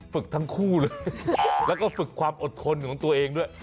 ฝึกทั้งคู่เลยแล้วก็ฝึกความอดทนของตัวเองด้วย